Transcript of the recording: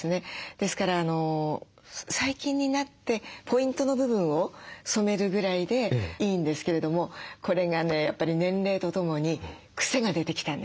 ですから最近になってポイントの部分を染めるぐらいでいいんですけれどもこれがねやっぱり年齢とともに癖が出てきたんです。